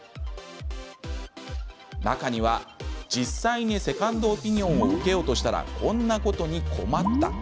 中には実際にセカンドオピニオンを受けようとしたらこんなことに困った。